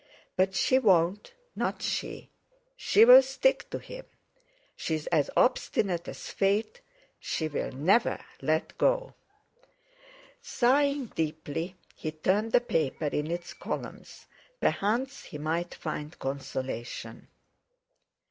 But she won't—not she! She'll stick to him! She's as obstinate as fate—she'll never let go!" Sighing deeply, he turned the paper; in its columns, perchance he might find consolation.